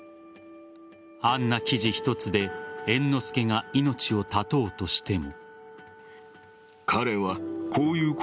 あんな記事一つで猿之助が命を絶とうとしても。